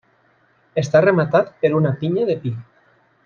Està rematat per una pinya de pi.